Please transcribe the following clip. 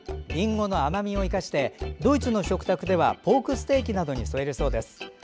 りんごの甘みを生かしてドイツの食卓ではポークステーキなどに添えるそうです。